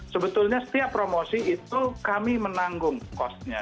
sebetulnya setiap promosi itu kami menanggung cost nya